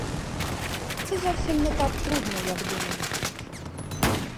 Це зовсім не так трудно, як думають.